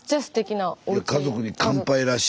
「家族に乾杯」らしい。